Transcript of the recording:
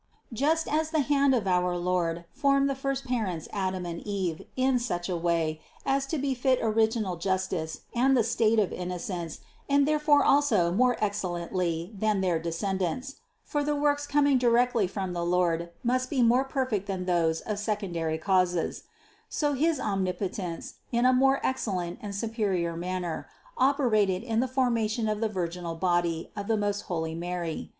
217. Just as the hand of our Lord formed the first parents Adam and Eve in such a way as to befit original justice and the state of innocence and therefore also more excellently than their descendants (for the works coming directly from the Lord must be more perfect than those of secondary causes), so his Omnipotence, in a more excellent and superior manner, operated in the formation of the virginal body of the most holy Mary.